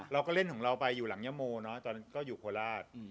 เราก็เล่นของเราไปอยู่หลังยะโมเนอะตอนก็อยู่โคราช